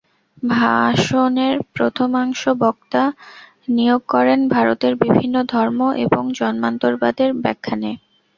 ভাষণের প্রথমাংশ বক্তা নিয়োগ করেন ভারতের বিভিন্ন ধর্ম এবং জন্মান্তরবাদের ব্যাখ্যানে।